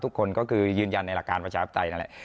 ทุกคนก็คือยืนยันในหลักการประชาปไตยนั่นแหละ